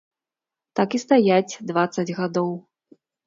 Так і стаяць дваццаць гадоў.